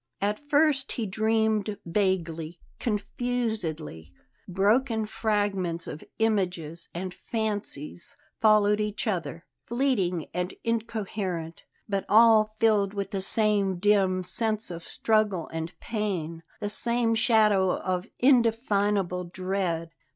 At first he dreamed vaguely, confusedly; broken fragments of images and fancies followed each other, fleeting and incoherent, but all filled with the same dim sense of struggle and pain, the same shadow of indefinable dread.